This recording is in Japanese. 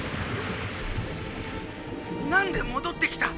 「何で戻ってきた！」。